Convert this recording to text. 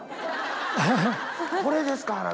これですか？